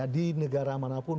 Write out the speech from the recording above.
di negara manapun